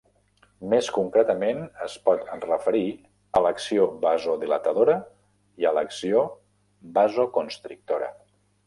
Més concretament, es pot referir a l'acció vasodilatadora i a l'acció vasoconstrictora.